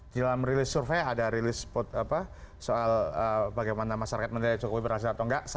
dalam rilis survei ada rilis soal bagaimana masyarakat mendaya cukup berhasil atau nggak